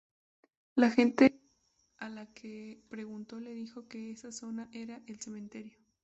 La gente a la que preguntó le dijo que esa zona era el cementerio.